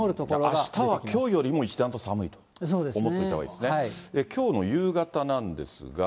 あしたはきょうよりも一段と寒いと思っておいたほうがいいでそうですね。